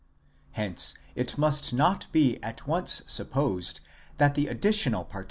Hence it must not be at once supposed that the additional particu 17 Vid.